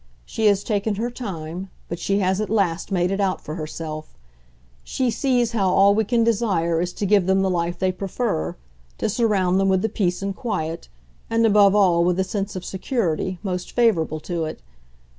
She has taken her time, but she has at last made it out for herself: she sees how all we can desire is to give them the life they prefer, to surround them with the peace and quiet, and above all with the sense of security, most favourable to it.